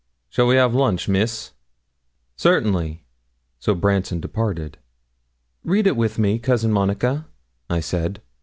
'Shall we have lunch, Miss?' 'Certainly.' So Branston departed. 'Read it with me, Cousin Monica,' I said.